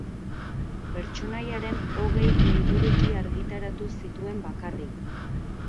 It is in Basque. Pertsonaiaren hogei liburuki argitaratu zituen bakarrik.